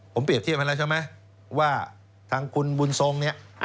ผมเปรียบเทียบให้แล้วใช่ไหมว่าทางคุณบุญทรงเนี่ย